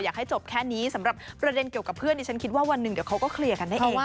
อยากให้จบแค่นี้สำหรับประเด็นเกี่ยวกับเพื่อนที่ฉันคิดว่าวันหนึ่งเดี๋ยวเขาก็เคลียร์กันได้เอง